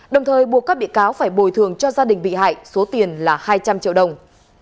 đồng thời buộc các bị cáo phải bồi thường cho gia đình bị hại số tiền là hai trăm linh triệu đồng